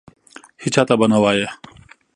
هیچا ته به نه وایې !